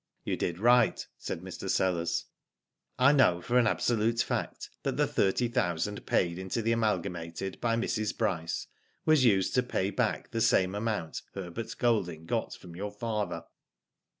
"You did right," said Mr. Sellers. " I know for an absolute fact, that the thirty thousand paid into the Amalgamated by Mrs. Bryce was used to pay back the same amount Herbert Golding got from your father."